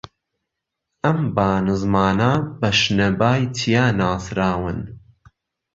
ئەم با نزمانە بە شنەبای چیا ناسراون